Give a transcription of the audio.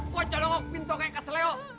kocok pintu kaya kesel yuk